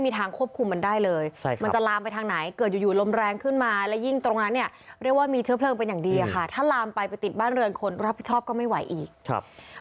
มันจะลามไปทางไหนเกิดอยู่ลมแรงขึ้นมาแล้วยิ่งตรงนั้นเนี่ยเรียกว่ามีเชื้อเพลิงเป็นอย่างดีทำทำผิดบ้าน